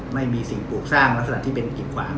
ไม่มีสิ่งปลูกสร้างลักษณะที่เป็นกิดขวาง